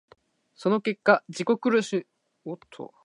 その結果、自己記録の更新を達成しました。